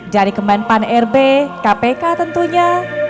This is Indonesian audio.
dari kemenpan r b kpk tentunya